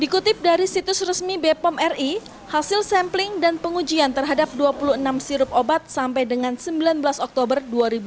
dikutip dari situs resmi bepom ri hasil sampling dan pengujian terhadap dua puluh enam sirup obat sampai dengan sembilan belas oktober dua ribu dua puluh